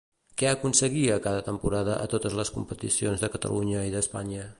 Què aconseguia cada temporada a totes les competicions de Catalunya i d'Espanya?